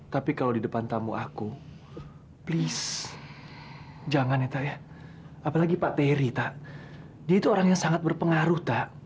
tapi kalau di depan tamu aku please jangan ya ta ya apalagi pak terry tak dia itu orang yang sangat berpengaruh tak